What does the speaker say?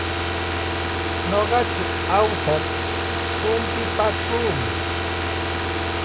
Nuqaku awsar humpipaakuumi.